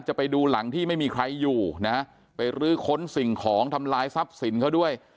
ไปดูหลังที่ไม่มีใครอยู่นะไปรื้อค้นสิ่งของทำลายทรัพย์สินเขาด้วย